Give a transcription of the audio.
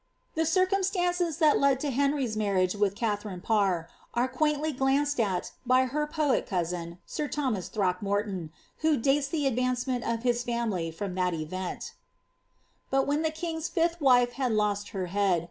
The circumstances that led to Henry's marriage with Katharine Parr, are quaintly glanced at by her poet cousin, sir Thomas Throckmorton^ who dates the advancement of his family from that event :— But when the king's fifUi wife had lost her head.